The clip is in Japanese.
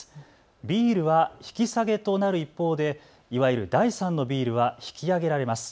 ビールは引き下げとなる一方でいわゆる第３のビールは引き上げられます。